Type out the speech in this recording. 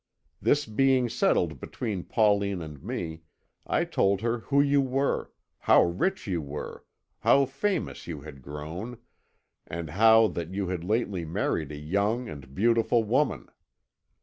This being settled between Pauline and me, I told her who you were how rich you were, how famous you had grown, and how that you had lately married a young and beautiful woman.